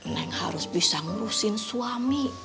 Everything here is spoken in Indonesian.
neng harus bisa ngurusin suami